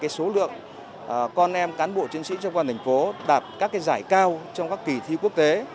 số lượng con em cán bộ chiến sĩ trong quan thành phố đạt các giải cao trong các kỳ thi quốc tế